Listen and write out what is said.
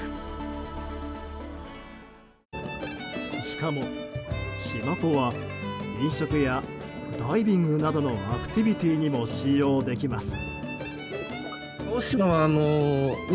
しかも、しまぽは飲食やダイビングなどのアクティビティーにも使用できます。